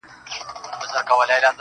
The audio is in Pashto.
گراني ټوله شپه مي~